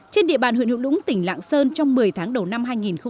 trên địa bàn huyện hữu lũng tỉnh lạng sơn trong một mươi tháng đầu năm hai nghìn hai mươi